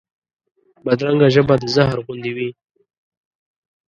بدرنګه ژبه د زهر غوندې وي